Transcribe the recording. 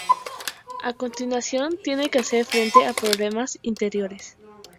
A continuación tiene que hacer frente a problemas interiores.